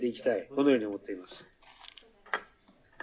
このように思っております。